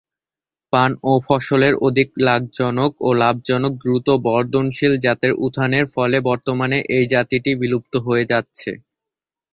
পান ও ফসলের অধিক লাভজনক ও লাভজনক দ্রুত বর্ধনশীল জাতের উত্থানের ফলে বর্তমানে এই জাতটি বিলুপ্ত হয়ে যাচ্ছে।